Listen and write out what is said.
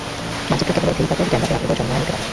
মানচিত্র কেবল অধিকতর জ্ঞানলাভের আগ্রহ জন্মাইয়া দিতে পারে।